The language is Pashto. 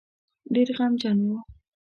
ډېر غمجن وو.